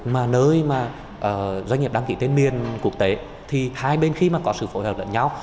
mà nơi mà doanh nghiệp đăng ký tên miền quốc tế thì hai bên khi mà có sự phối hợp lẫn nhau